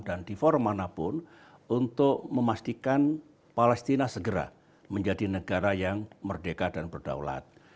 dan di forum manapun untuk memastikan palestina segera menjadi negara yang merdeka dan berdaulat